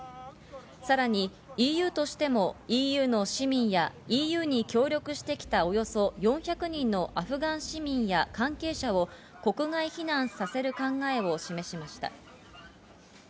さらにＥＵとしてもＥＵの市民やＥＵに協力してきた、およそ４００人のアフガン市民や関係者を国外避難させる考えを示しました。